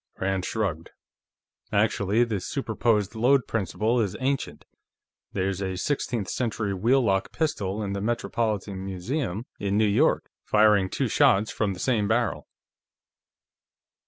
Rand shrugged. "Actually, the superposed load principle is ancient; there's a sixteenth century wheel lock pistol in the Metropolitan Museum, in New York, firing two shots from the same barrel."